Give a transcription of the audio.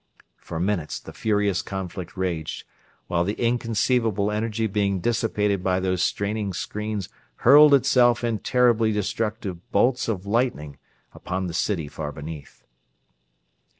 For minutes the furious conflict raged, while the inconceivable energy being dissipated by those straining screens hurled itself in terribly destructive bolts of lightning upon the city far beneath.